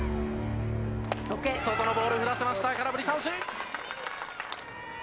外のボール振らせました、空振り三振。